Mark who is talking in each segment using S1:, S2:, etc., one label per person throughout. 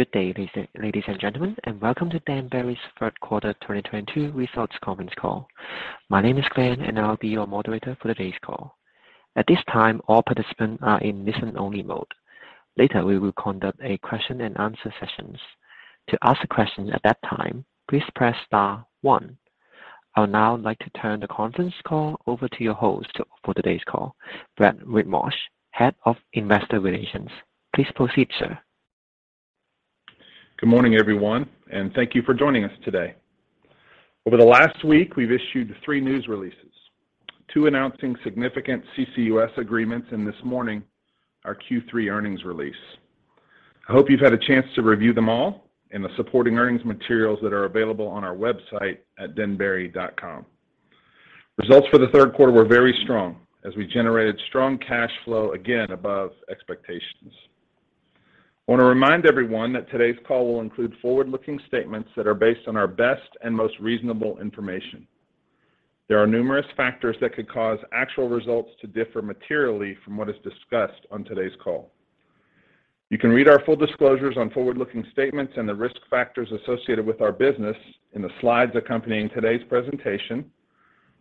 S1: Good day, ladies and gentlemen, and welcome to Denbury's third quarter 2022 results conference call. My name is Glenn, and I'll be your moderator for today's call. At this time, all participants are in listen only mode. Later, we will conduct a Q&A session. To ask a question at that time, please press star one. I would now like to turn the conference call over to your host for today's call, Brad Whitmarsh, Head of Investor Relations. Please proceed, sir.
S2: Good morning, everyone, and thank you for joining us today. Over the last week, we've issued three news releases, two announcing significant CCUS agreements, and this morning, our Q3 earnings release. I hope you've had a chance to review them all and the supporting earnings materials that are available on our website at denbury.com. Results for the third quarter were very strong as we generated strong cash flow again above expectations. I want to remind everyone that today's call will include forward-looking statements that are based on our best and most reasonable information. There are numerous factors that could cause actual results to differ materially from what is discussed on today's call. You can read our full disclosures on forward-looking statements and the risk factors associated with our business in the slides accompanying today's presentation,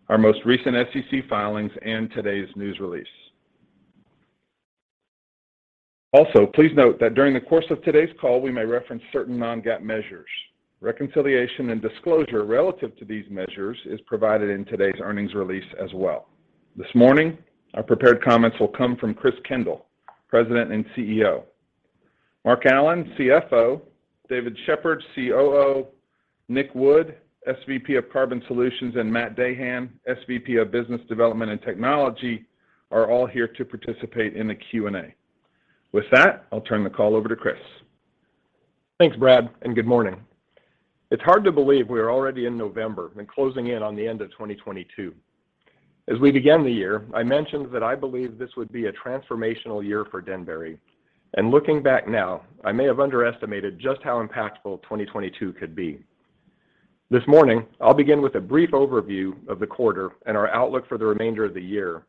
S2: our most recent SEC filings, and today's news release. Also, please note that during the course of today's call, we may reference certain non-GAAP measures. Reconciliation and disclosure relative to these measures is provided in today's earnings release as well. This morning, our prepared comments will come from Chris Kendall, President and CEO. Mark Allen, CFO, David Sheppard, COO, Nik Wood, SVP of Carbon Solutions, and Matt Dahan, SVP of Business Development and Technology, are all here to participate in the Q&A. With that, I'll turn the call over to Chris.
S3: Thanks, Brad, and good morning. It's hard to believe we are already in November and closing in on the end of 2022. As we began the year, I mentioned that I believed this would be a transformational year for Denbury. Looking back now, I may have underestimated just how impactful 2022 could be. This morning, I'll begin with a brief overview of the quarter and our outlook for the remainder of the year.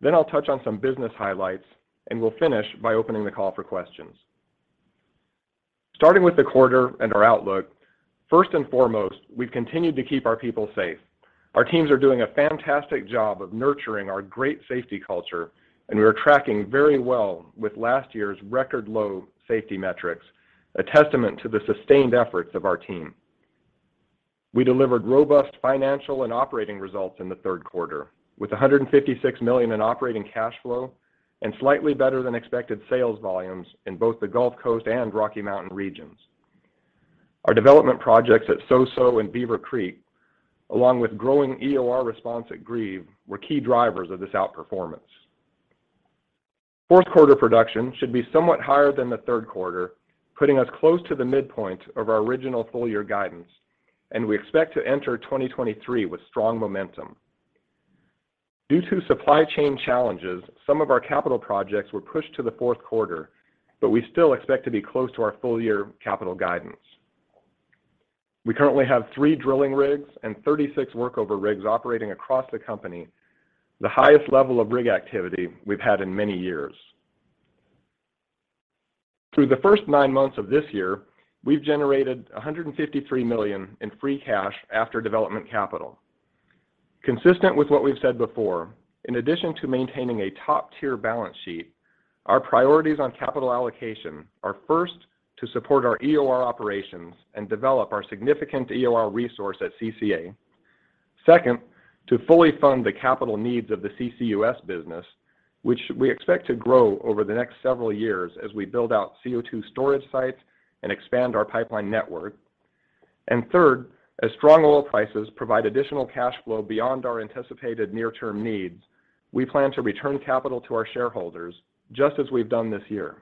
S3: Then I'll touch on some business highlights, and we'll finish by opening the call for questions. Starting with the quarter and our outlook, first and foremost, we've continued to keep our people safe. Our teams are doing a fantastic job of nurturing our great safety culture, and we are tracking very well with last year's record low safety metrics, a testament to the sustained efforts of our team. We delivered robust financial and operating results in the third quarter with $156 million in operating cash flow and slightly better than expected sales volumes in both the Gulf Coast and Rocky Mountain regions. Our development projects at Soso and Beaver Creek, along with growing EOR response at Grieve, were key drivers of this outperformance. Fourth quarter production should be somewhat higher than the third quarter, putting us close to the midpoint of our original full year guidance, and we expect to enter 2023 with strong momentum. Due to supply chain challenges, some of our capital projects were pushed to the fourth quarter, but we still expect to be close to our full year capital guidance. We currently have three drilling rigs and 36 workover rigs operating across the company, the highest level of rig activity we've had in many years. Through the first nine months of this year, we've generated $153 million in free cash after development capital. Consistent with what we've said before, in addition to maintaining a top-tier balance sheet, our priorities on capital allocation are first to support our EOR operations and develop our significant EOR resource at CCA. Second, to fully fund the capital needs of the CCUS business, which we expect to grow over the next several years as we build out CO2 storage sites and expand our pipeline network. Third, as strong oil prices provide additional cash flow beyond our anticipated near-term needs, we plan to return capital to our shareholders just as we've done this year.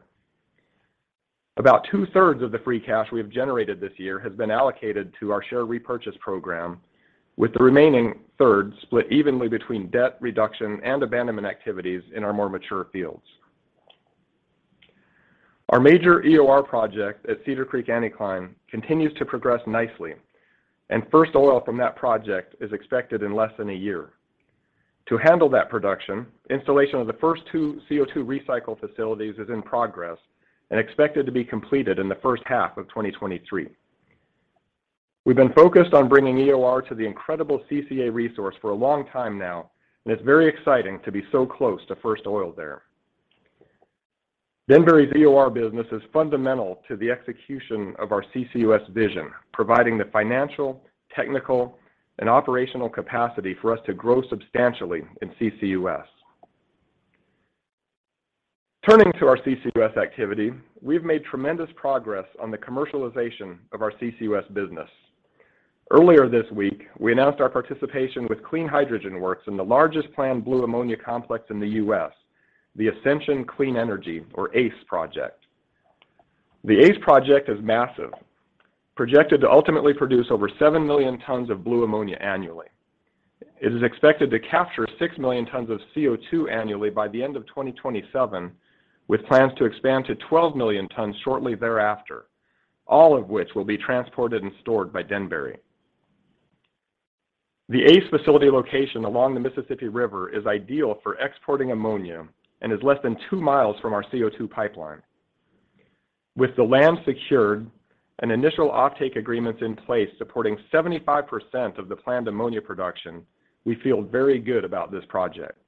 S3: About 2/3s of the free cash we have generated this year has been allocated to our share repurchase program, with the remaining third split evenly between debt reduction and abandonment activities in our more mature fields. Our major EOR project at Cedar Creek Anticline continues to progress nicely, and first oil from that project is expected in less than a year. To handle that production, installation of the first two CO2 recycle facilities is in progress and expected to be completed in the first half of 2023. We've been focused on bringing EOR to the incredible CCA resource for a long time now, and it's very exciting to be so close to first oil there. Denbury's EOR business is fundamental to the execution of our CCUS vision, providing the financial, technical, and operational capacity for us to grow substantially in CCUS. Turning to our CCUS activity, we've made tremendous progress on the commercialization of our CCUS business. Earlier this week, we announced our participation with Clean Hydrogen Works in the largest planned blue ammonia complex in the U.S., the Ascension Clean Energy, or ACE project. The ACE project is massive, projected to ultimately produce over 7 million tons of blue ammonia annually. It is expected to capture 6 million tons of CO2 annually by the end of 2027, with plans to expand to 12 million tons shortly thereafter, all of which will be transported and stored by Denbury. The ACE facility location along the Mississippi River is ideal for exporting ammonia and is less than 2 mi from our CO2 pipeline. With the land secured and initial offtake agreements in place supporting 75% of the planned ammonia production, we feel very good about this project.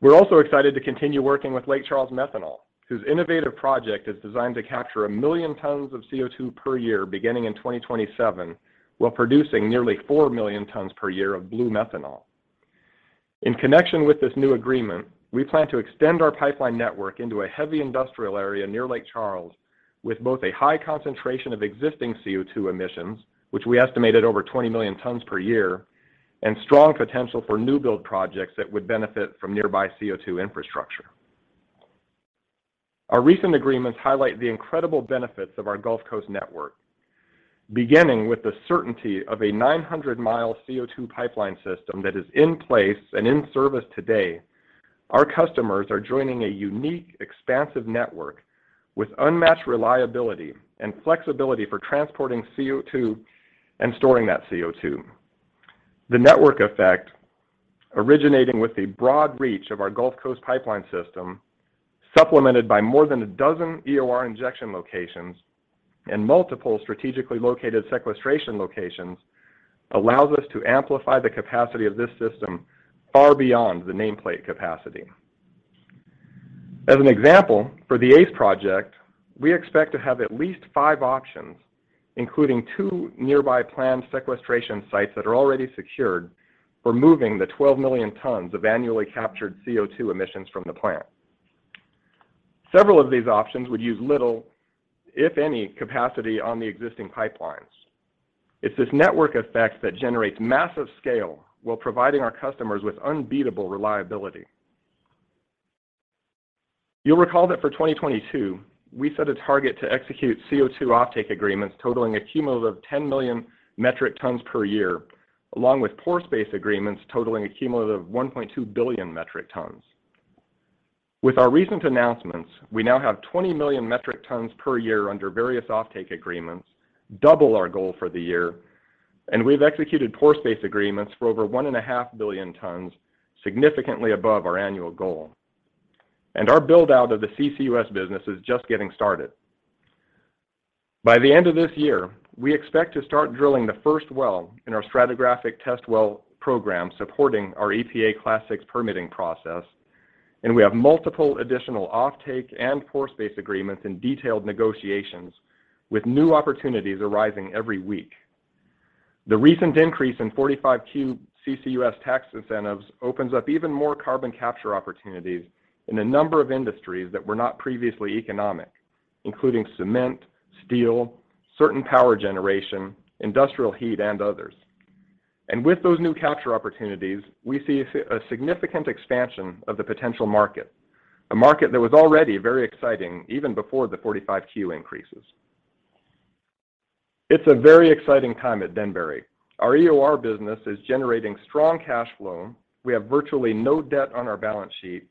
S3: We're also excited to continue working with Lake Charles Methanol, whose innovative project is designed to capture 1 million tons of CO2 per year beginning in 2027, while producing nearly 4 million tons per year of blue methanol. In connection with this new agreement, we plan to extend our pipeline network into a heavy industrial area near Lake Charles with both a high concentration of existing CO2 emissions, which we estimated over 20 million tons per year, and strong potential for new build projects that would benefit from nearby CO2 infrastructure. Our recent agreements highlight the incredible benefits of our Gulf Coast network. Beginning with the certainty of a 900 mi CO2 pipeline system that is in place and in service today, our customers are joining a unique, expansive network with unmatched reliability and flexibility for transporting CO2 and storing that CO2. The network effect originating with the broad reach of our Gulf Coast pipeline system, supplemented by more than a dozen EOR injection locations and multiple strategically located sequestration locations, allows us to amplify the capacity of this system far beyond the nameplate capacity. As an example, for the ACE project, we expect to have at least five options, including two nearby planned sequestration sites that are already secured for moving the 12 million tons of annually captured CO2 emissions from the plant. Several of these options would use little, if any, capacity on the existing pipelines. It's this network effect that generates massive scale while providing our customers with unbeatable reliability. You'll recall that for 2022, we set a target to execute CO2 offtake agreements totaling a cumulative 10 million metric tons per year, along with pore space agreements totaling a cumulative 1.2 billion metric tons. With our recent announcements, we now have 20 million metric tons per year under various offtake agreements, double our goal for the year, and we've executed pore space agreements for over 1.5 billion tons, significantly above our annual goal. Our build-out of the CCUS business is just getting started. By the end of this year, we expect to start drilling the first well in our stratigraphic test well program supporting our EPA Class VI permitting process, and we have multiple additional offtake and pore space agreements in detailed negotiations with new opportunities arising every week. The recent increase in 45Q CCUS tax incentives opens up even more carbon capture opportunities in a number of industries that were not previously economic, including cement, steel, certain power generation, industrial heat, and others. With those new capture opportunities, we see a significant expansion of the potential market, a market that was already very exciting even before the 45Q increases. It's a very exciting time at Denbury. Our EOR business is generating strong cash flow, we have virtually no debt on our balance sheet,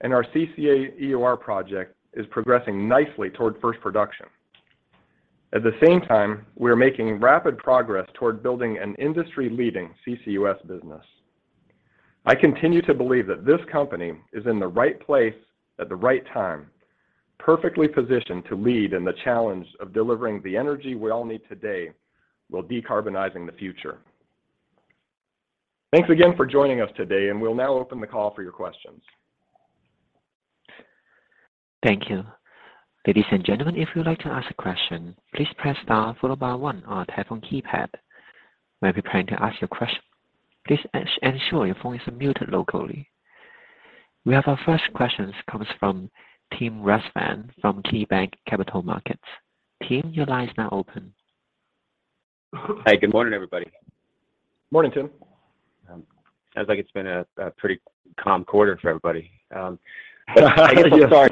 S3: and our CCA EOR project is progressing nicely toward first production. At the same time, we're making rapid progress toward building an industry-leading CCUS business. I continue to believe that this company is in the right place at the right time, perfectly positioned to lead in the challenge of delivering the energy we all need today while decarbonizing the future. Thanks again for joining us today, and we'll now open the call for your questions.
S1: Thank you. Ladies and gentlemen, if you'd like to ask a question, please press star followed by one on your telephone keypad. When preparing to ask your question, please ensure your phone is muted locally. Our first question comes from Tim Rezvan from KeyBanc Capital Markets. Tim, your line is now open.
S4: Hi, good morning, everybody.
S3: Morning, Tim.
S4: Sounds like it's been a pretty calm quarter for everybody. I'm sorry.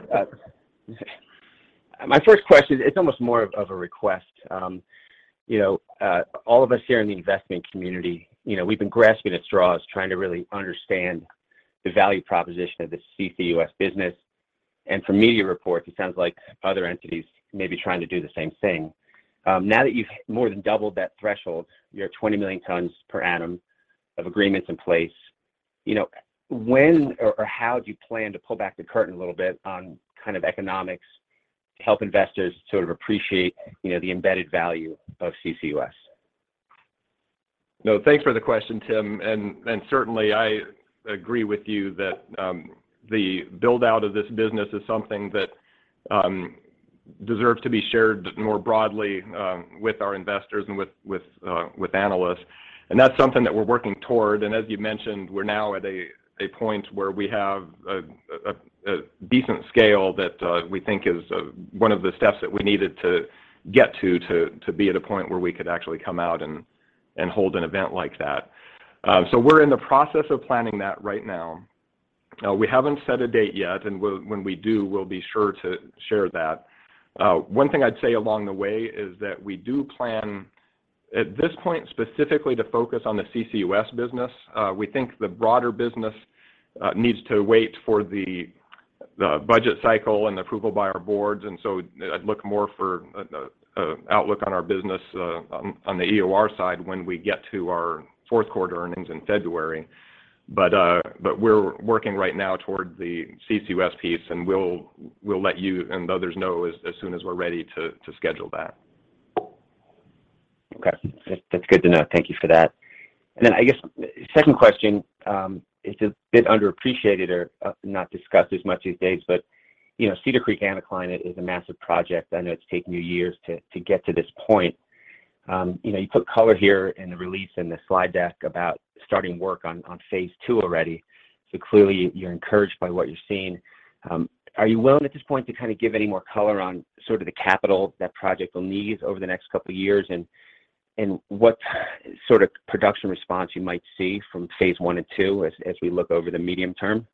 S4: My first question, it's almost more of a request. You know, all of us here in the investment community, you know, we've been grasping at straws trying to really understand the value proposition of the CCUS business, and from media reports, it sounds like other entities may be trying to do the same thing. Now that you've more than doubled that threshold, your 20 million tons per annum of agreements in place, you know, when or how do you plan to pull back the curtain a little bit on kind of economics to help investors sort of appreciate, you know, the embedded value of CCUS?
S3: No, thanks for the question, Tim. Certainly I agree with you that the build-out of this business is something that deserves to be shared more broadly with our investors and with analysts. That's something that we're working toward. As you mentioned, we're now at a point where we have a decent scale that we think is one of the steps that we needed to get to be at a point where we could actually come out and hold an event like that. We're in the process of planning that right now. We haven't set a date yet, and when we do, we'll be sure to share that. One thing I'd say along the way is that we do plan at this point specifically to focus on the CCUS business. We think the broader business needs to wait for the budget cycle and the approval by our boards, and so I'd look more for an outlook on our business on the EOR side when we get to our fourth quarter earnings in February. We're working right now toward the CCUS piece, and we'll let you and others know as soon as we're ready to schedule that.
S4: Okay. That's good to know. Thank you for that. I guess second question, it's a bit underappreciated or not discussed as much these days, but you know, Cedar Creek Anticline is a massive project. I know it's taken you years to get to this point. You know, you put color here in the release in the slide deck about starting work on phase II already, so clearly you're encouraged by what you're seeing. Are you willing at this point to kind of give any more color on sort of the capital that project will need over the next couple years and what sort of production response you might see from phase I and II as we look over the medium term?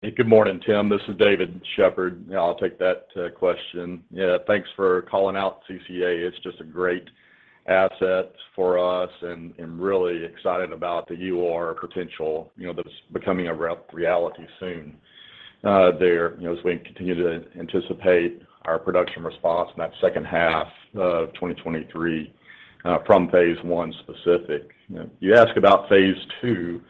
S5: Hey, good morning, Tim. This is David Sheppard. Yeah, I'll take that question. Yeah, thanks for calling out CCA. It's just a great asset for us, and really excited about the EOR potential, you know, that's becoming a reality soon, there, you know, as we continue to anticipate our production response in that second half of 2023, from phase I specific. You know, you ask about phase II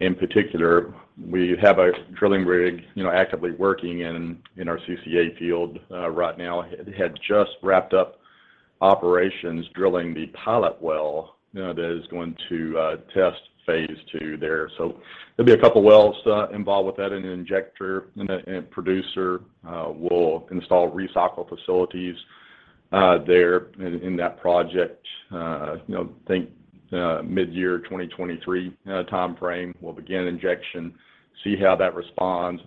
S5: in particular. We have a drilling rig, you know, actively working in our CCA field right now. It had just wrapped up operations drilling the pilot well, you know, that is going to test phase II there. So there'll be a couple wells involved with that, an injector and a producer. We'll install recycle facilities there in that project. You know, think mid-year 2023 timeframe, we'll begin injection, see how that responds.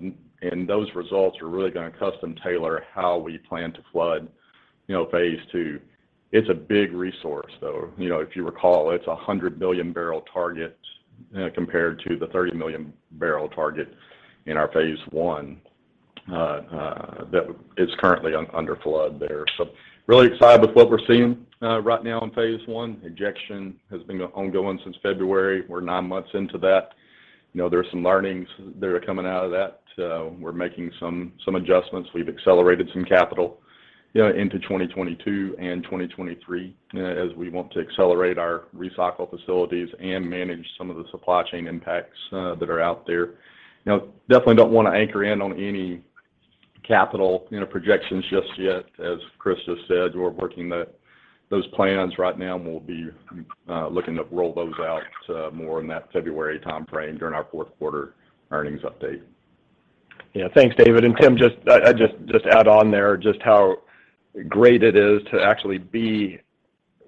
S5: Those results are really gonna custom tailor how we plan to flood, you know, phase II. It's a big resource though. You know, if you recall, it's a 100 billion bbl target, compared to the 30 million bbl target in our phase I, that is currently under flood there. Really excited with what we're seeing, right now in phase I. Injection has been ongoing since February. We're nine months into that. You know, there's some learnings that are coming out of that, so we're making some adjustments. We've accelerated some capital, you know, into 2022 and 2023, as we want to accelerate our recycle facilities and manage some of the supply chain impacts, that are out there. You know, definitely don't wanna anchor in on any capital, you know, projections just yet. As Chris just said, we're working on those plans right now, and we'll be looking to roll those out more in that February timeframe during our fourth quarter earnings update.
S3: Yeah. Thanks, David. Tim, just add on there just how great it is to actually be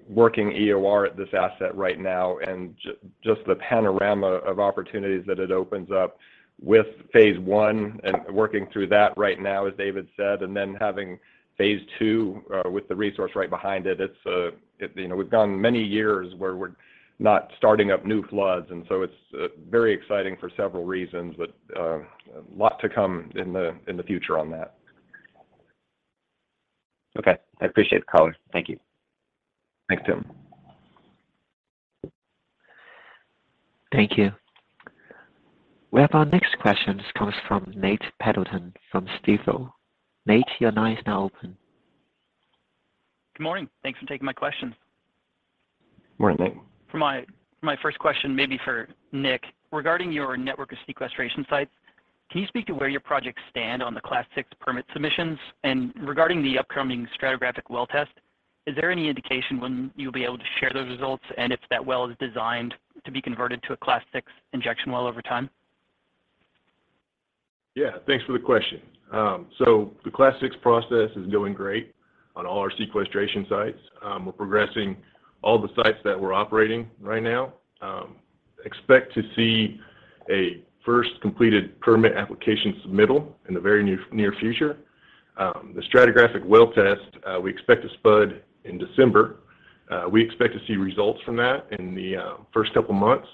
S3: working EOR at this asset right now and just the panorama of opportunities that it opens up with phase I and working through that right now, as David said, and then having phase II with the resource right behind it. It's you know, we've gone many years where we're not starting up new floods, and so it's very exciting for several reasons, but a lot to come in the future on that.
S4: Okay. I appreciate the color. Thank you.
S3: Thanks, Tim.
S1: Thank you. We have our next question. This comes from Nate Pendleton from Stifel. Nate, your line is now open.
S6: Good morning. Thanks for taking my question.
S3: Morning, Nate.
S6: For my first question, maybe for Nik. Regarding your network of sequestration sites, can you speak to where your projects stand on the Class VI permit submissions? Regarding the upcoming stratigraphic well test, is there any indication when you'll be able to share those results, and if that well is designed to be converted to a Class VI injection well over time?
S7: Yeah. Thanks for the question. The Class VI process is doing great on all our sequestration sites. We're progressing all the sites that we're operating right now. Expect to see a first completed permit application submittal in the very near future. The stratigraphic well test, we expect to spud in December. We expect to see results from that in the first couple months.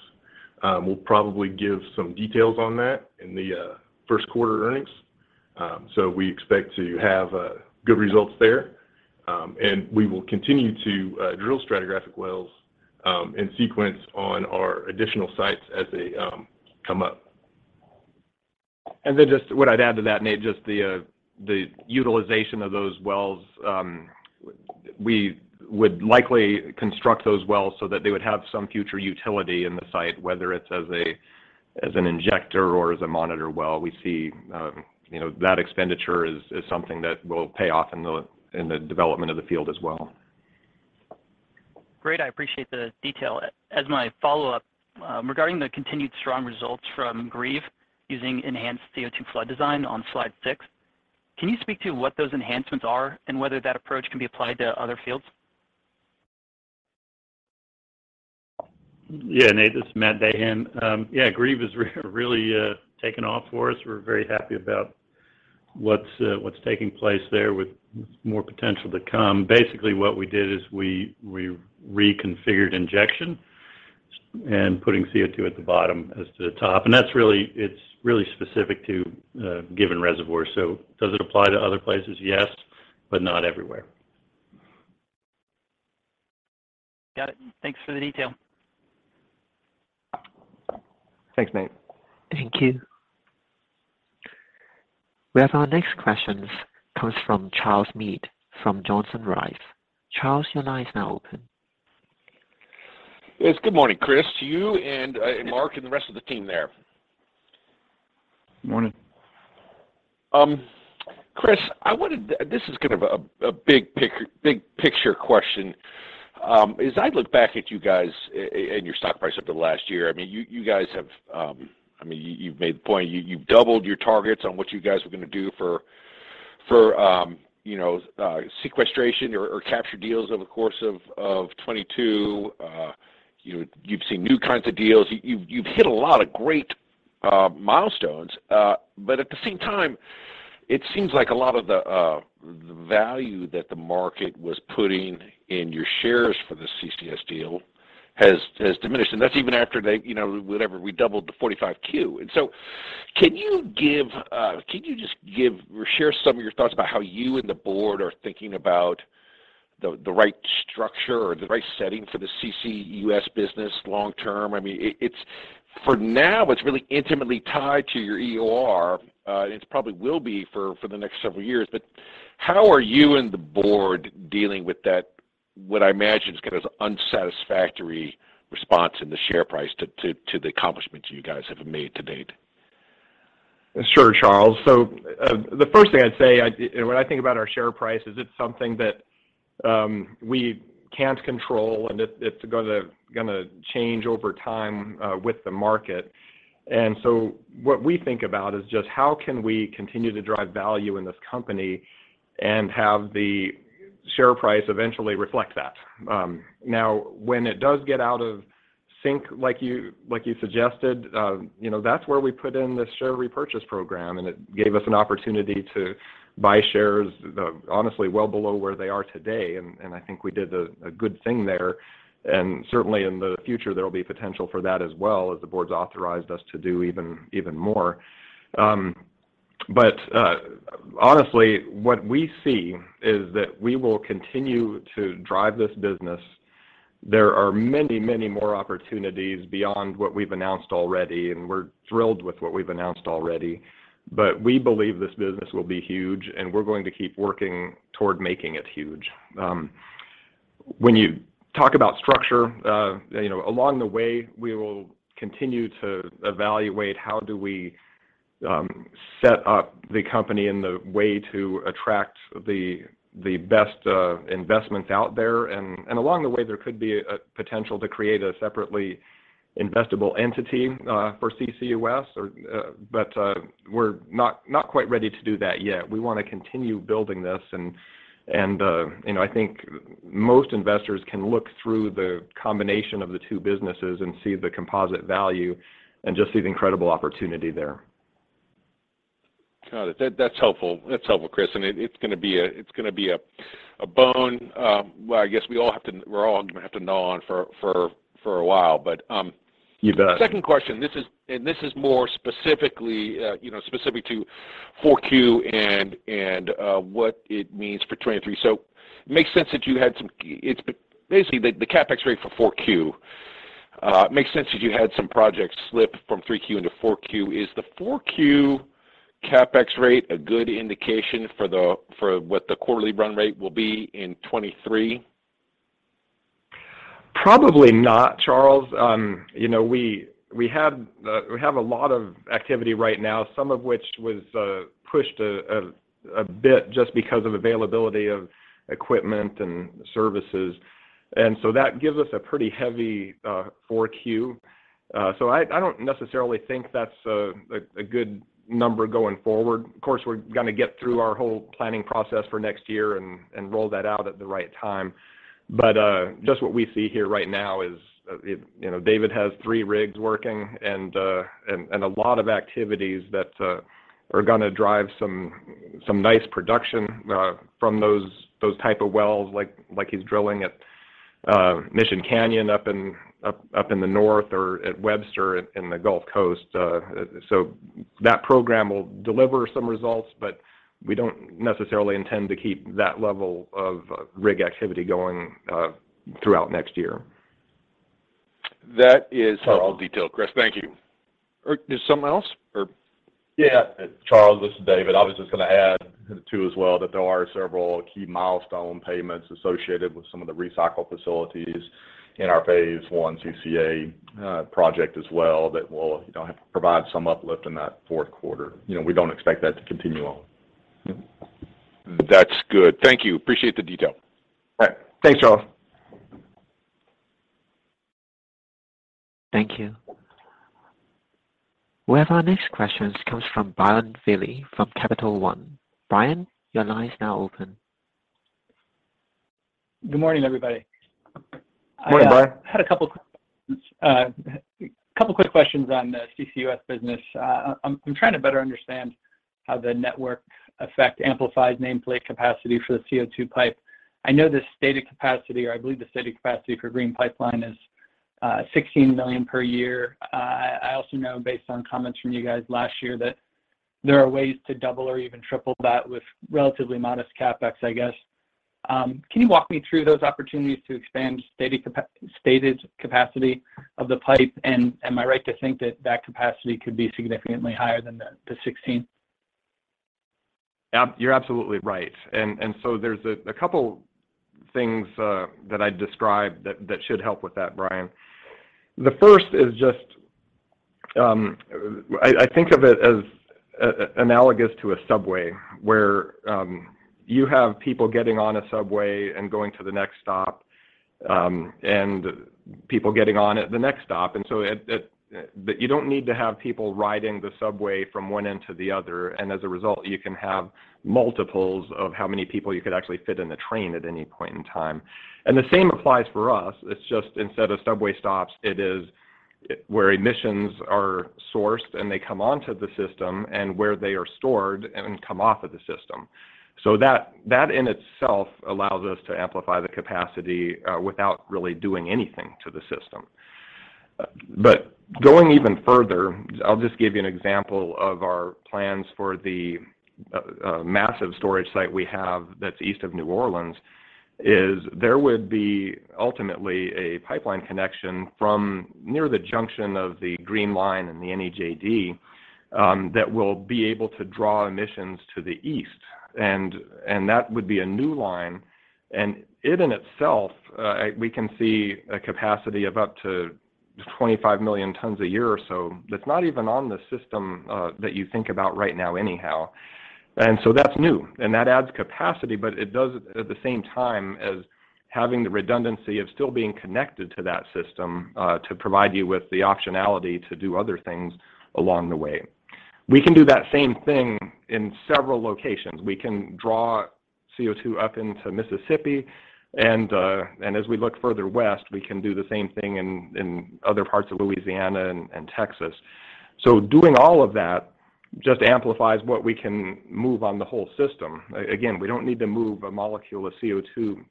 S7: We'll probably give some details on that in the first quarter earnings. We expect to have good results there. We will continue to drill stratigraphic wells in sequence on our additional sites as they come up.
S3: Just what I'd add to that, Nate, just the utilization of those wells, we would likely construct those wells so that they would have some future utility in the site, whether it's as an injector or as a monitor well. We see, you know, that expenditure as something that will pay off in the development of the field as well.
S6: Great. I appreciate the detail. As my follow-up, regarding the continued strong results from Grieve using enhanced CO2 flood design on slide six, can you speak to what those enhancements are and whether that approach can be applied to other fields?
S8: Yeah, Nate. This is Matt Dahan. Yeah, Grieve is really taking off for us. We're very happy about what's taking place there with more potential to come. Basically, what we did is we reconfigured injection and putting CO2 at the bottom as opposed to the top, and that's really specific to a given reservoir. Does it apply to other places? Yes, but not everywhere.
S6: Got it. Thanks for the detail.
S3: Thanks, Nate.
S1: Thank you. We have our next questions comes from Charles Meade from Johnson Rice. Charles, your line is now open.
S9: Yes. Good morning, Chris, to you and Mark and the rest of the team there.
S3: Morning.
S9: Chris, this is kind of a big picture question. As I look back at you guys and your stock price over the last year, I mean, you guys have. I mean, you've made the point, you've doubled your targets on what you guys were gonna do for sequestration or capture deals over the course of 2022. You know, you've seen new kinds of deals. You've hit a lot of great milestones. At the same time, it seems like a lot of the value that the market was putting in your shares for the CCUS deal has diminished. That's even after they, you know, whatever, we doubled the 45Q. Can you give. Can you just give or share some of your thoughts about how you and the board are thinking about the right structure or the right setting for the CCUS business long term? I mean, it's for now, it's really intimately tied to your EOR, and it probably will be for the next several years. How are you and the board dealing with that, what I imagine is kind of unsatisfactory response in the share price to the accomplishments you guys have made to date?
S3: Sure, Charles. The first thing I'd say is it's something that we can't control, and it's gonna change over time with the market. What we think about is just how we can continue to drive value in this company and have the share price eventually reflect that. Now, when it does get out of sync, like you suggested, you know, that's where we put in the share repurchase program, and it gave us an opportunity to buy shares honestly well below where they are today. I think we did a good thing there. Certainly, in the future, there will be potential for that as well, as the board's authorized us to do even more. Honestly, what we see is that we will continue to drive this business. There are many, many more opportunities beyond what we've announced already, and we're thrilled with what we've announced already. We believe this business will be huge, and we're going to keep working toward making it huge. When you talk about structure, you know, along the way, we will continue to evaluate how do we set up the company in the way to attract the best investments out there. Along the way, there could be a potential to create a separately investable entity for CCUS or we're not quite ready to do that yet. We wanna continue building this and, you know, I think most investors can look through the combination of the two businesses and see the composite value and just see the incredible opportunity there.
S9: Got it. That's helpful, Chris. It's gonna be a bone. Well, I guess we're all gonna have to gnaw on for a while, but.
S3: You bet.
S9: Second question. This is more specifically specific to 4Q and what it means for 2023. Basically, the CapEx rate for 4Q, it makes sense that you had some projects slip from 3Q into 4Q. Is the 4Q CapEx rate a good indication for what the quarterly run rate will be in 2023?
S3: Probably not, Charles. You know, we have a lot of activity right now, some of which was pushed a bit just because of availability of equipment and services. That gives us a pretty heavy 4Q. So, I don't necessarily think that's a good number going forward. Of course, we're gonna get through our whole planning process for next year and roll that out at the right time. Just what we see here right now is it. You know, David has three rigs working and a lot of activities that are gonna drive some nice production from those types of wells like he's drilling at Mission Canyon up in the north or at Webster in the Gulf Coast. That program will deliver some results, but we don't necessarily intend to keep that level of rig activity going throughout next year.
S9: That is helpful detail, Chris. Thank you.
S3: Is someone else or?
S5: Yeah. Charles, this is David. I was just gonna add to that as well that there are several key milestone payments associated with some of the recycle facilities in our phase I CCA project as well that will, you know, provide some uplift in that fourth quarter. You know, we don't expect that to continue on.
S9: That's good. Thank you. Appreciate the detail.
S5: All right. Thanks, Charles.
S1: Thank you. We have our next questions comes from Brian Velie from Capital One. Brian, your line is now open.
S10: Good morning, everybody.
S3: Morning, Brian.
S10: I had a couple of quick questions on the CCUS business. I'm trying to better understand how the network effect amplifies nameplate capacity for the CO2 pipe. I know the stated capacity, or I believe the stated capacity for Green Pipeline is 16 million per year. I also know based on comments from you guys' last year that there are ways to double or even triple that with relatively modest CapEx, I guess. Can you walk me through those opportunities to expand stated capacity of the pipe? Am I right to think that that capacity could be significantly higher than the 16?
S3: You're absolutely right. There's a couple things that I'd describe that should help with that, Brian. The first is just, I think of it as analogous to a subway, where you have people getting on a subway and going to the next stop, and people getting on at the next stop. But you don't need to have people riding the subway from one end to the other, and as a result, you can have multiples of how many people you could actually fit in a train at any point in time. The same applies for us. It's just instead of subway stops, it is where emissions are sourced, and they come onto the system, and where they are stored and come off of the system. That in itself allows us to amplify the capacity without really doing anything to the system. Going even further, I'll just give you an example of our plans for the massive storage site we have that's east of New Orleans. There would be ultimately a pipeline connection from near the junction of the Green Pipeline and the NEJD that will be able to draw emissions to the east. That would be a new line, and it in itself we can see a capacity of up to 25 million tons a year or so that's not even on the system that you think about right now anyhow. That's new, and that adds capacity, but it does at the same time as having the redundancy of still being connected to that system to provide you with the optionality to do other things along the way. We can do that same thing in several locations. We can draw CO2 up into Mississippi and as we look further west, we can do the same thing in other parts of Louisiana and Texas. Doing all of that just amplifies what we can move on the whole system. Again, we don't need to move a molecule of CO2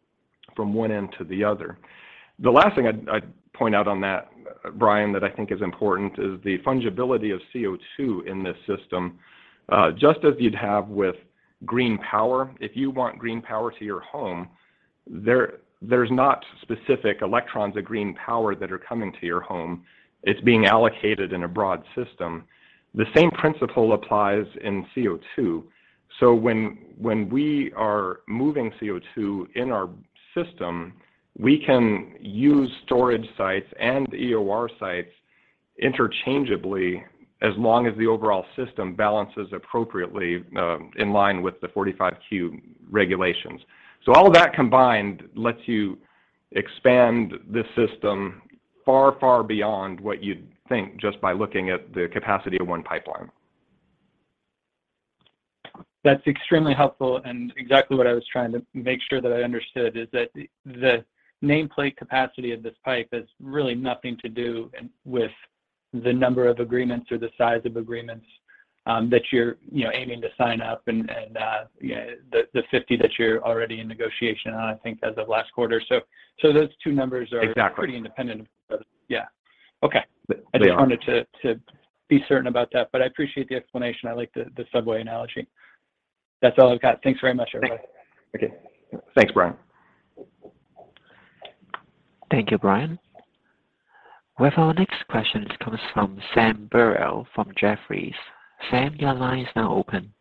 S3: from one end to the other. The last thing I'd point out on that, Brian, that I think is important is the fungibility of CO2 in this system. Just as you'd have with green power, if you want green power to your home, there's not specific electrons of green power that are coming to your home. It's being allocated in a broad system. The same principle applies in CO2. When we are moving CO2 in our system, we can use storage sites and EOR sites interchangeably as long as the overall system balances appropriately, in line with the 45Q regulations. All of that combined lets you expand the system far, far beyond what you'd think just by looking at the capacity of one pipeline.
S10: That's extremely helpful and exactly what I was trying to make sure that I understood is that the nameplate capacity of this pipe has really nothing to do with the number of agreements or the size of agreements that you're you know aiming to sign up and yeah the 50 that you're already in negotiation on I think as of last quarter. So those two numbers are?
S3: Exactly
S10: Pretty independent of each other. Yeah. Okay.
S3: They are.
S10: I just wanted to be certain about that, but I appreciate the explanation. I like the subway analogy. That's all I've got. Thanks very much, everybody.
S3: Thank you. Thanks, Brian.
S1: Thank you, Brian. Well, our next question comes from Sam Burwell from Jefferies. Sam, your line is now open.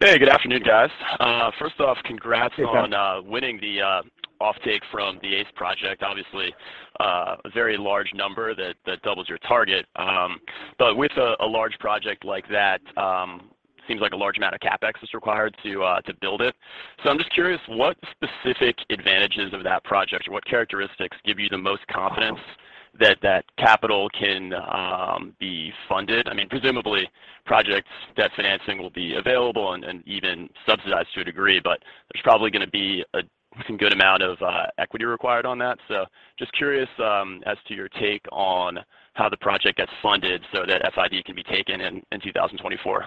S11: Hey, good afternoon, guys. First off, congrats.
S3: Hey, Sam.
S11: On winning the offtake from the ACE project. Obviously, a very large number that doubles your target. With a large project like that, seems like a large amount of CapEx is required to build it. I'm just curious what specific advantages of that project or what characteristics give you the most confidence that that capital can be funded? I mean, presumably project's debt financing will be available and even subsidized to a degree, but there's probably gonna be a fucking good amount of equity required on that. Just curious as to your take on how the project gets funded so that FID can be taken in 2024.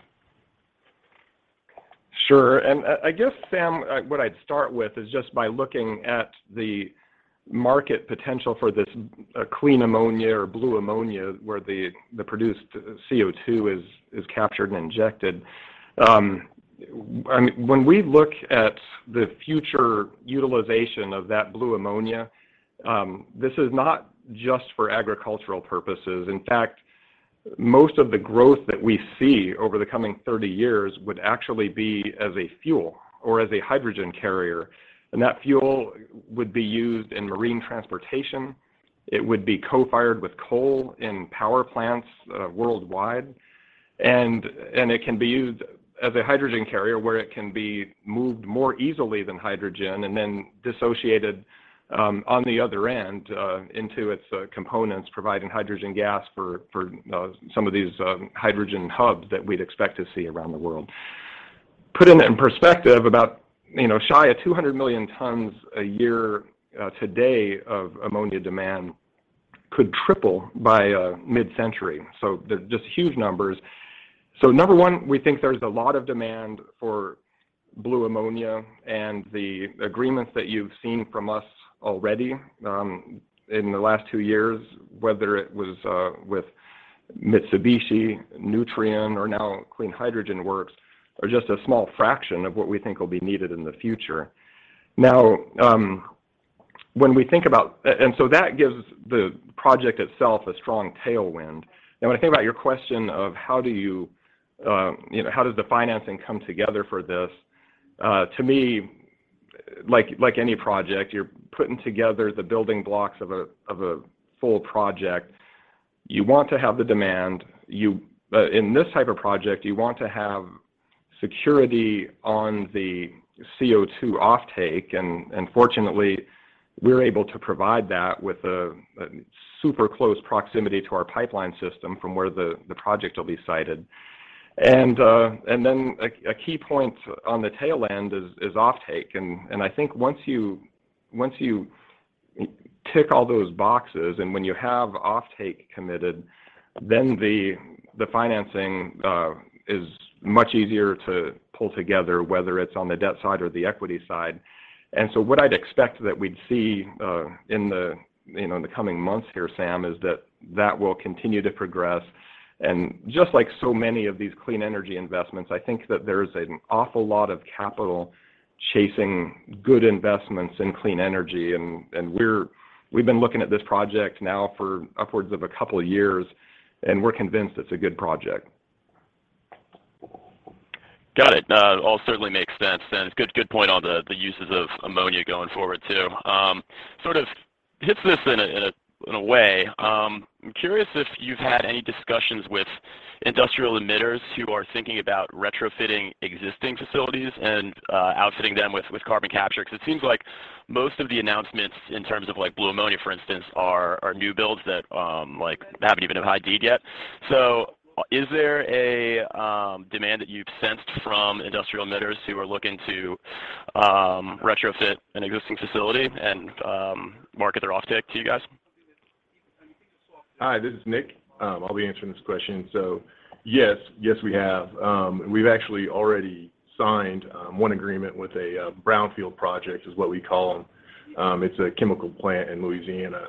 S3: Sure. I guess, Sam, what I'd start with is just by looking at the market potential for this, clean ammonia or blue ammonia, where the produced CO2 is captured and injected. I mean, when we look at the future utilization of that blue ammonia, this is not just for agricultural purposes. In fact, most of the growth that we see over the coming 30 years would actually be as a fuel or as a hydrogen carrier. That fuel would be used in marine transportation. It would be co-fired with coal in power plants, worldwide. It can be used as a hydrogen carrier, where it can be moved more easily than hydrogen and then dissociated on the other end into its components, providing hydrogen gas for some of these hydrogen hubs that we'd expect to see around the world. Put in perspective, about, you know, shy of 200 million tons a year today of ammonia demand could triple by mid-century. They're just huge numbers. Number one, we think there's a lot of demand for blue ammonia and the agreements that you've seen from us already in the last two years, whether it was with Mitsubishi, Nutrien, or now Clean Hydrogen Works, are just a small fraction of what we think will be needed in the future. Now, when we think about and so that gives the project itself a strong tailwind. Now, when I think about your question of how do you know, how does the financing come together for this? To me, like any project, you're putting together the building blocks of a full project. You want to have the demand. In this type of project, you want to have security on the CO2 offtake and fortunately, we're able to provide that with a super close proximity to our pipeline system from where the project will be sited. Then a key point on the tail end is offtake. I think once you tick all those boxes and when you have offtake committed, then the financing is much easier to pull together, whether it's on the debt side or the equity side. What I'd expect that we'd see in the, you know, in the coming months here, Sam, is that that will continue to progress. Just like so many of these clean energy investments, I think that there's an awful lot of capital chasing good investments in clean energy. We've been looking at this project now for upwards of a couple of years, and we're convinced it's a good project.
S11: Got it. All certainly makes sense. Good point on the uses of ammonia going forward too. Sort of hits this in a way. I'm curious if you've had any discussions with industrial emitters who are thinking about retrofitting existing facilities and outfitting them with carbon capture. Because it seems like most of the announcements in terms of like blue ammonia, for instance, are new builds that like haven't even been FIDed yet. Is there a demand that you've sensed from industrial emitters who are looking to retrofit an existing facility and market their offtake to you guys?
S7: Hi, this is Nik. I'll be answering this question. Yes, we have. We've actually already signed one agreement with a brownfield project, is what we call them. It's a chemical plant in Louisiana.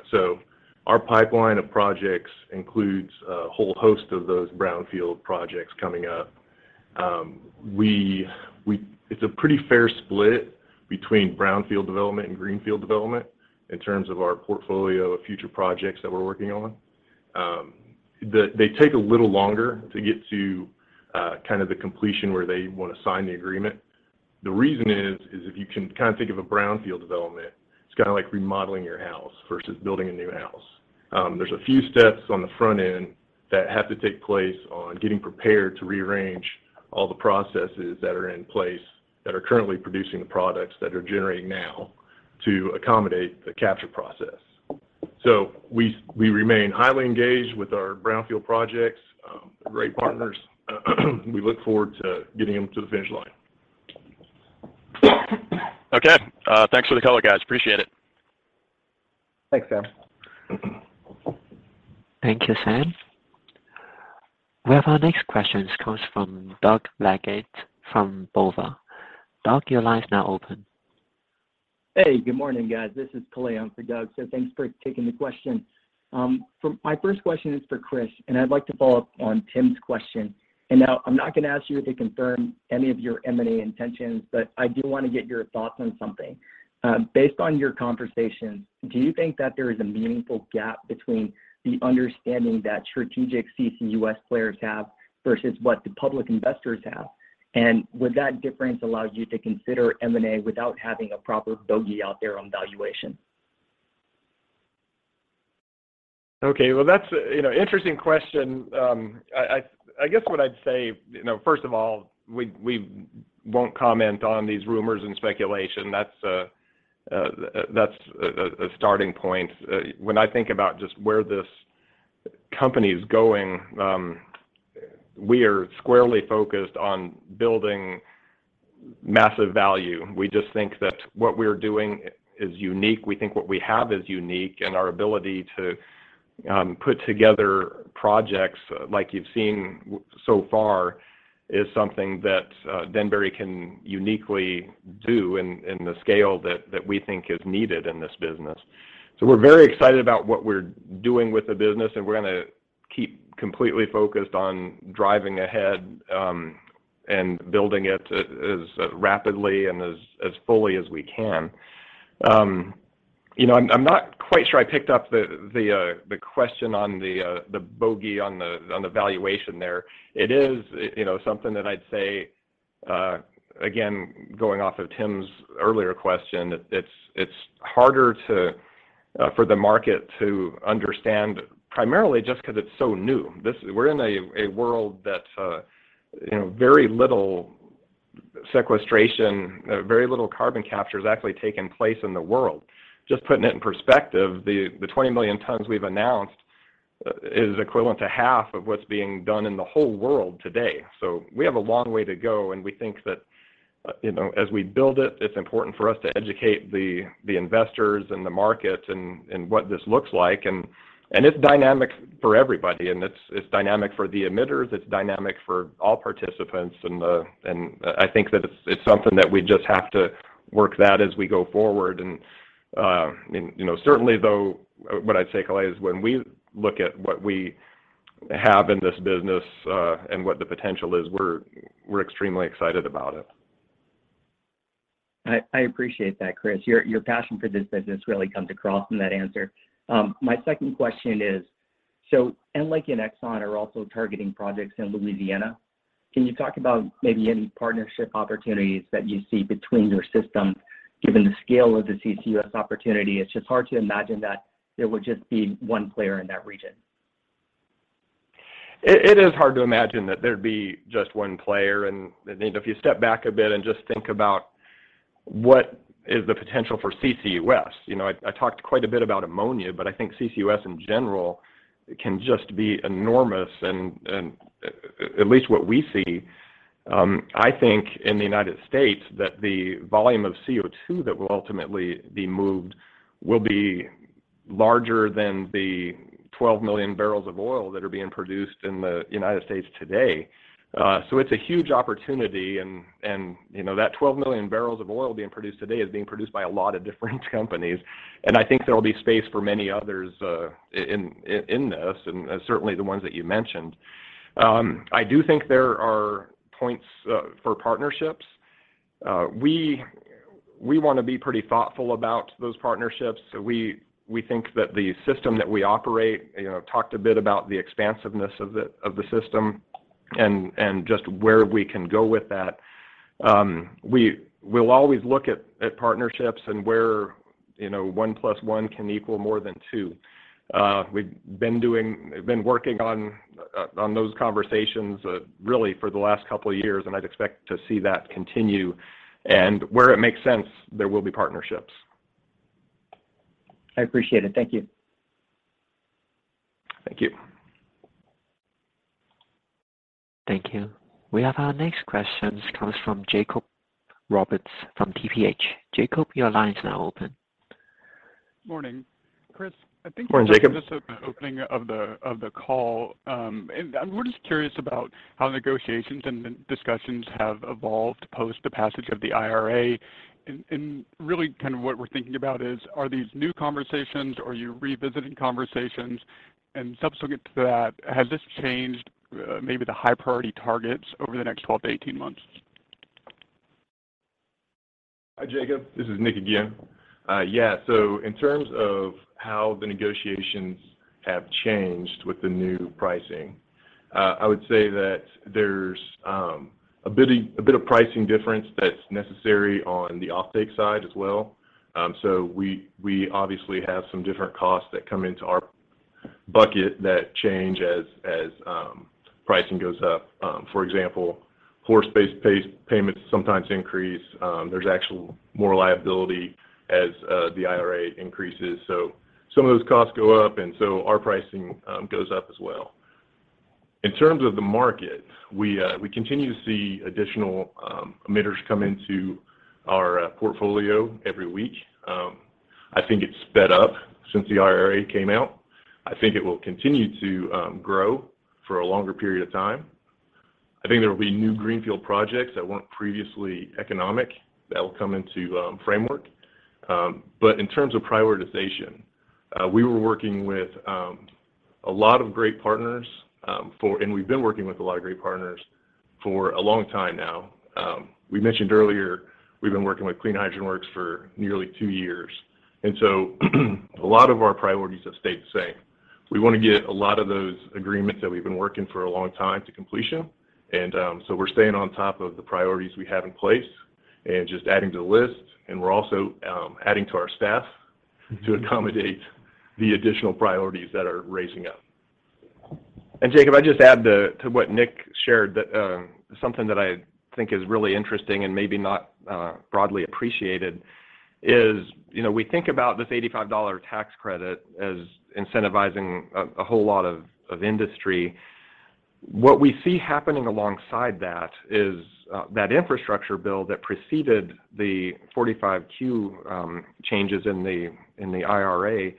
S7: Our pipeline of projects includes a whole host of those brownfield projects coming up. It's a pretty fair split between brownfield development and greenfield development in terms of our portfolio of future projects that we're working on. They take a little longer to get to kind of the completion where they want to sign the agreement. The reason is if you can kind of think of a brownfield development, it's kind of like remodeling your house versus building a new house. There's a few steps on the front end that have to take place on getting prepared to rearrange all the processes that are in place that are currently producing the products that are generating now to accommodate the capture process. We remain highly engaged with our brownfield projects, great partners. We look forward to getting them to the finish line.
S11: Okay. Thanks for the color, guys. Appreciate it.
S3: Thanks, Sam.
S1: Thank you, Sam. We have our next question comes from Doug Leggate from BofA. Doug, your line is now open.
S12: Hey, good morning, guys. This is Clay in for Doug. Thanks for taking the question. For my first question is for Chris, and I'd like to follow up on Tim's question. Now I'm not going to ask you to confirm any of your M&A intentions, but I do want to get your thoughts on something. Based on your conversation, do you think that there is a meaningful gap between the understanding that strategic CCUS players have versus what the public investors have? And would that difference allow you to consider M&A without having a proper bogey out there on valuation?
S3: Okay. Well, that's, you know, interesting question. I guess what I'd say, you know, first of all, we won't comment on these rumors and speculation. That's a starting point. When I think about just where this company is going, we are squarely focused on building massive value. We just think that what we're doing is unique. We think what we have is unique, and our ability to put together projects like you've seen so far is something that Denbury can uniquely do in the scale that we think is needed in this business. We're very excited about what we're doing with the business, and we're gonna keep completely focused on driving ahead and building it as rapidly and as fully as we can. You know, I'm not quite sure I picked up the question on the bogey on the valuation there. It is, you know, something that I'd say, again, going off of Tim's earlier question, it's harder for the market to understand primarily just because it's so new. This is. We're in a world that, you know, very little sequestration, very little carbon capture has actually taken place in the world. Just putting it in perspective, the 20 million tons we've announced is equivalent to half of what's being done in the whole world today. We have a long way to go, and we think that, you know, as we build it's important for us to educate the investors and the market and what this looks like. It's dynamic for everybody, and it's dynamic for the emitters. It's dynamic for all participants. I think that it's something that we just have to work that as we go forward. You know, certainly though, what I'd say, Clay, is when we look at what we have in this business, and what the potential is, we're extremely excited about it.
S12: I appreciate that, Chris. Your passion for this business really comes across in that answer. My second question is, EnLink and Exxon are also targeting projects in Louisiana. Can you talk about maybe any partnership opportunities that you see between your systems given the scale of the CCUS opportunity? It's just hard to imagine that there would just be one player in that region.
S3: It is hard to imagine that there'd be just one player. Then if you step back a bit and just think about what is the potential for CCUS. I talked quite a bit about ammonia, but I think CCUS in general can just be enormous and at least what we see. I think in the United States that the volume of CO2 that will ultimately be moved will be larger than the 12 million barrels of oil that are being produced in the United States today. So it's a huge opportunity, and you know, that 12 million barrels of oil being produced today is being produced by a lot of different companies. I think there'll be space for many others in this, and certainly the ones that you mentioned. I do think there are points for partnerships. We wanna be pretty thoughtful about those partnerships. We think that the system that we operate, you know, talked a bit about the expansiveness of the system and just where we can go with that. We'll always look at partnerships and where, you know, one plus one can equal more than two. We've been working on those conversations really for the last couple of years, and I'd expect to see that continue. Where it makes sense, there will be partnerships.
S12: I appreciate it. Thank you.
S3: Thank you.
S1: Thank you. We have our next question. This comes from Jacob Roberts from TPH. Jacob, your line is now open.
S13: Morning. Chris, I think.
S3: Morning, Jacob.
S13: You mentioned this at the opening of the call. We're just curious about how negotiations and then discussions have evolved post the passage of the IRA. Really kind of what we're thinking about is, are these new conversations? Are you revisiting conversations? Subsequent to that, has this changed, maybe the high priority targets over the next 12 months-18 months?
S7: Hi, Jacob. This is Nik again. In terms of how the negotiations have changed with the new pricing, I would say that there's a bit of pricing difference that's necessary on the offtake side as well. We obviously have some different costs that come into our bucket that change as pricing goes up. For example, pore space payments sometimes increase. There's actually more liability as the IRA increases. Some of those costs go up, and so our pricing goes up as well. In terms of the market, we continue to see additional emitters come into our portfolio every week. I think it's sped up since the IRA came out. I think it will continue to grow for a longer period of time. I think there will be new greenfield projects that weren't previously economic that will come into Framework. In terms of prioritization, we were working with a lot of great partners, and we've been working with a lot of great partners for a long time now. We mentioned earlier we've been working with Clean Hydrogen Works for nearly two years, and so a lot of our priorities have stayed the same. We want to get a lot of those agreements that we've been working for a long time to completion. We're staying on top of the priorities we have in place and just adding to the list. We're also adding to our staff to accommodate the additional priorities that are raising up.
S3: Jacob, I'd just add to what Nik shared, that something that I think is really interesting and maybe not broadly appreciated is, you know, we think about this $85 tax credit as incentivizing a whole lot of industry. What we see happening alongside that is that infrastructure bill that preceded the 45Q, changes in the IRA,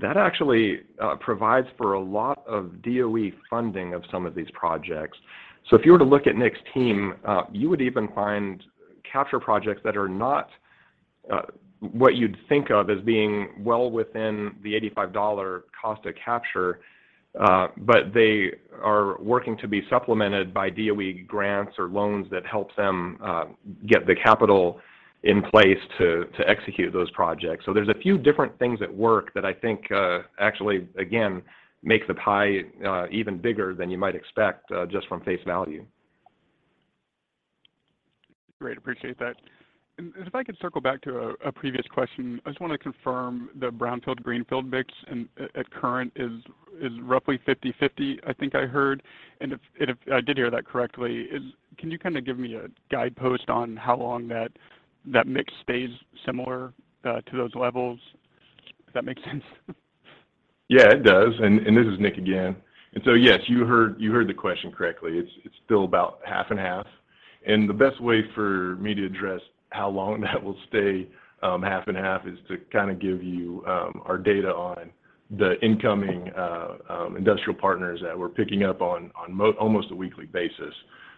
S3: that actually provides for a lot of DOE funding of some of these projects. If you were to look at Nik's team, you would even find capture projects that are not what you'd think of as being well within the $85 cost of capture, but they are working to be supplemented by DOE grants or loans that help them get the capital in place to execute those projects. There's a few different things at work that I think, actually, again, make the pie even bigger than you might expect, just from face value.
S13: Great. Appreciate that. If I could circle back to a previous question. I just want to confirm the brownfield/greenfield mix and at current is roughly 50/50, I think I heard. If I did hear that correctly, can you kind of give me a guidepost on how long that mix stays similar to those levels? If that makes sense.
S7: Yeah, it does. This is Nik Wood again. Yes, you heard the question correctly. It's still about half and half. The best way for me to address how long that will stay half and half is to kind of give you our data on the incoming industrial partners that we're picking up on almost a weekly basis.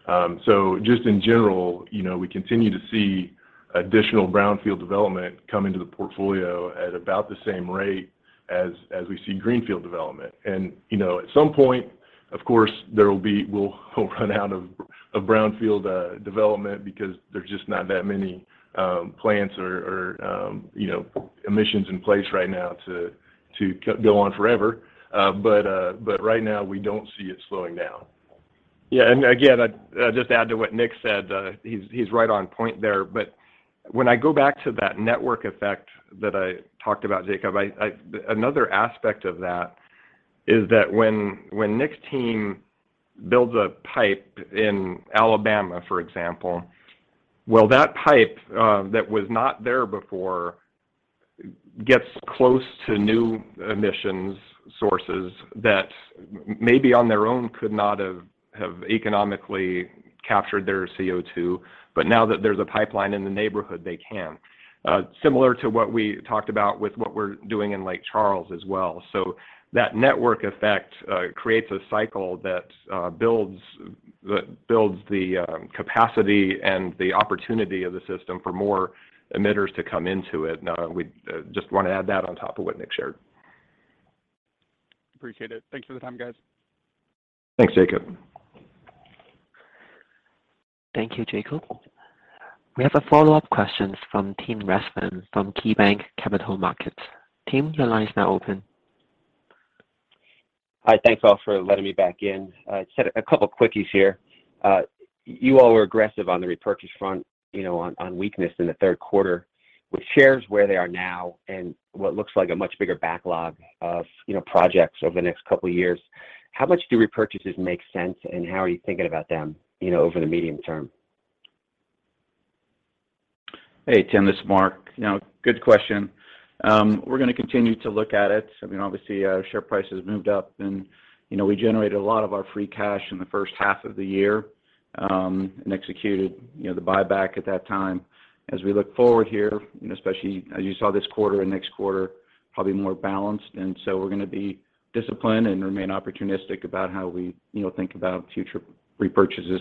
S7: Just in general, you know, we continue to see additional brownfield development come into the portfolio at about the same rate as we see greenfield development. You know, at some point, of course, we'll run out of brownfield development because there's just not that many plants or you know, emissions in place right now to go on forever. But right now we don't see it slowing down.
S3: Yeah. Again, I'd just add to what Nik said. He's right on point there. When I go back to that network effect that I talked about, Jacob, another aspect of that is that when Nik's team builds a pipe in Alabama, for example, well, that pipe that was not there before gets close to new emissions sources that maybe on their own could not have economically captured their CO2, but now that there's a pipeline in the neighborhood, they can. Similar to what we talked about with what we're doing in Lake Charles as well. That network effect creates a cycle that builds the capacity and the opportunity of the system for more emitters to come into it. Now, we just want to add that on top of what Nik shared.
S13: Appreciate it. Thanks for the time, guys.
S3: Thanks, Jacob.
S1: Thank you, Jacob. We have a follow-up question from Tim Rezvan from KeyBanc Capital Markets. Tim, your line is now open.
S4: Hi. Thanks all for letting me back in. Just had a couple quickies here. You all were aggressive on the repurchase front, you know, on weakness in the third quarter. With shares where they are now and what looks like a much bigger backlog of, you know, projects over the next couple of years, how much do repurchases make sense, and how are you thinking about them, you know, over the medium term?
S14: Hey, Tim, this is Mark. You know, good question. We're gonna continue to look at it. I mean, obviously, share price has moved up and, you know, we generated a lot of our free cash in the first half of the year, and executed, you know, the buyback at that time. As we look forward here, you know, especially as you saw this quarter and next quarter, probably more balanced, and so we're gonna be disciplined and remain opportunistic about how we, you know, think about future repurchases.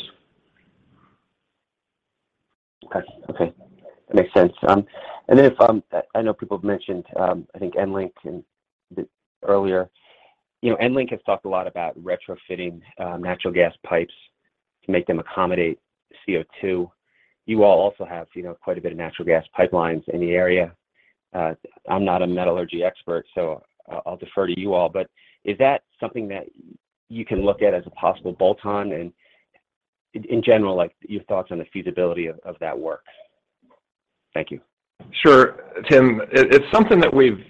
S4: Okay. That makes sense. I know people have mentioned, I think, EnLink earlier. You know, EnLink has talked a lot about retrofitting natural gas pipes to make them accommodate CO2. You all also have, you know, quite a bit of natural gas pipelines in the area. I'm not a metallurgy expert, so I'll defer to you all, but is that something that you can look at as a possible bolt-on? In general, like, your thoughts on the feasibility of that work. Thank you.
S3: Sure. Tim, it's something that we've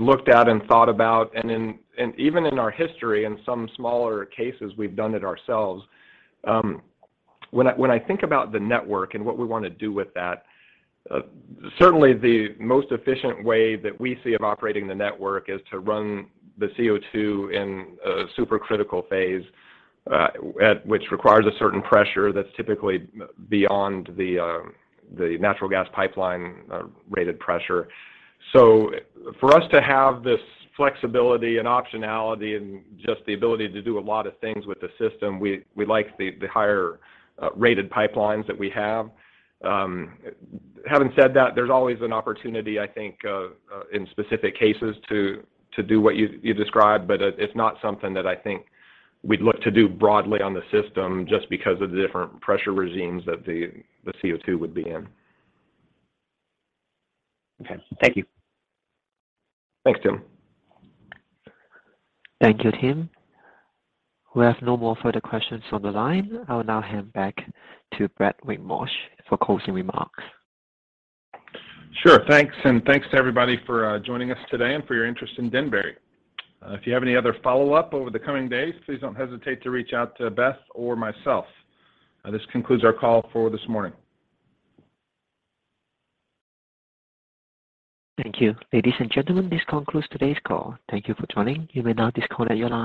S3: looked at and thought about. Even in our history, in some smaller cases, we've done it ourselves. When I think about the network and what we wanna do with that, certainly the most efficient way that we see of operating the network is to run the CO2 in a supercritical phase, at which requires a certain pressure that's typically beyond the natural gas pipeline rated pressure. For us to have this flexibility and optionality and just the ability to do a lot of things with the system, we like the higher rated pipelines that we have. Having said that, there's always an opportunity, I think, in specific cases to do what you described, but it's not something that I think we'd look to do broadly on the system just because of the different pressure regimes that the CO2 would be in.
S4: Okay. Thank you.
S3: Thanks, Tim.
S1: Thank you, Tim. We have no more further questions on the line. I will now hand back to Brad Whitmarsh for closing remarks.
S2: Sure. Thanks, and thanks to everybody for joining us today and for your interest in Denbury. If you have any other follow-up over the coming days, please don't hesitate to reach out to Beth or myself. This concludes our call for this morning.
S1: Thank you. Ladies and gentlemen, this concludes today's call. Thank you for joining. You may now disconnect your lines.